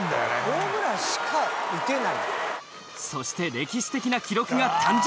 「ホームランしか打てない」そして歴史的な記録が誕生！